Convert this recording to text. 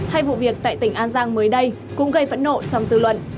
hay vụ việc tại tỉnh an giang mới đây cũng gây phẫn nộ trong dư luận